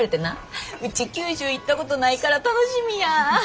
ウチ九州行ったことないから楽しみや！